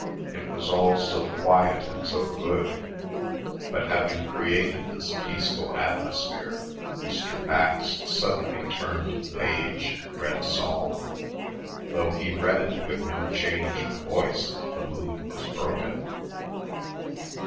It was all so quiet and so good. But having created this peaceful atmosphere Mr. Bax suddenly turned the page and read a psalm. Though he read it with no change of voice the mood was broken.